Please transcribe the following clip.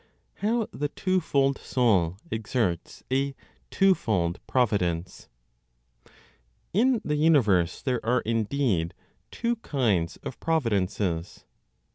HOW THE TWO FOLD SOUL EXERTS A TWO FOLD PROVIDENCE. In the universe there are, indeed, two kinds of providences.